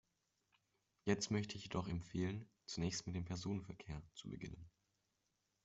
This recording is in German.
Jetzt möchte ich jedoch empfehlen, zunächst mit dem Personenverkehr zu beginnen.